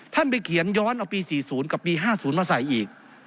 ไปเขียนย้อนเอาปี๔๐กับปี๕๐มาใส่อีก